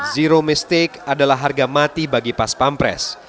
zero mistik adalah harga mati bagi pas pampres